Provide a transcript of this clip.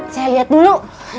saya lihat dulu